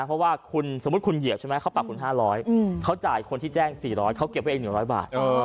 เพราะว่าคุณสมมุติคุณเหยียบใช่ไหมเขาปรับคุณ๕๐๐เขาจ่ายคนที่แจ้ง๔๐๐เขาเก็บไว้เอง๑๐๐บาท